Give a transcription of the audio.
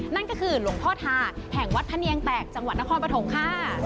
นั่นก็คือหลวงพ่อทาแห่งวัดพะเนียงแตกจังหวัดนครปฐมค่ะ